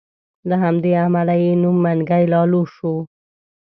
له همدې امله یې نوم منګی لالو شو.